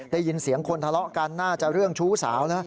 ได้ยินเสียงคนทะเลาะกันน่าจะเรื่องชู้สาวนะ